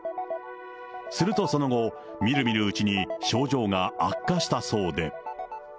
するとその後、みるみるうちに症状が悪化したそうで。